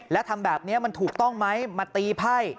แล้วทำแบบนี้มันถูกต้องไหมมาตีไพ่